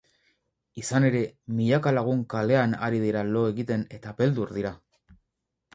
Izan ere, milaka lagun kalean ari dira lo egiten eta beldur dira.